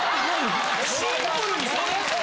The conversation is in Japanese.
シンプルにそれ？